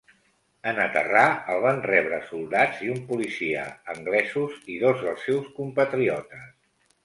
En aterrar el van rebre soldats i un policia anglesos i dos dels seus compatriotes.